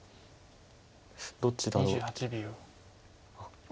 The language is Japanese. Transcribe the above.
どっちだろう。